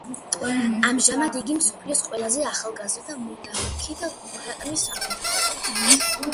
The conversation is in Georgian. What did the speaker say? ამჟამად იგი მსოფლიოს ყველაზე ახალგაზრდა მონარქი და ქვეყნის მეთაური.